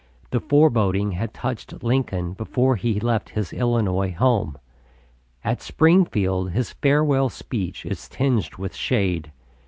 The foreboding had touched Lincoln before he left his Illinois home. At Springfield his farewell speech is tinged with shade.